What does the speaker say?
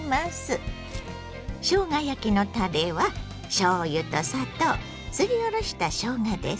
しょうが焼きのたれはしょうゆと砂糖すりおろしたしょうがです。